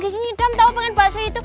gigi ngidam tau pengen bakso itu